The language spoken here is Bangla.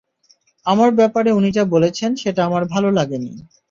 আমার ব্যাপারে উনি যা বলেছেন সেটা আমার ভালো লাগেনি।